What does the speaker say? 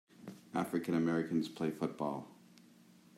african Americans play football.